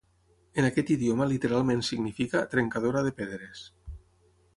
En aquest idioma literalment significa 'trencadora de pedres'.